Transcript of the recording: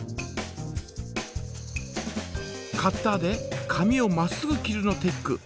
カッターで紙をまっすぐ切るのテック。